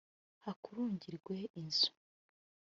hakurungirwe inzu